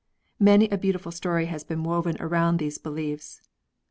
Many a beautiful story has been woven around these beliefs.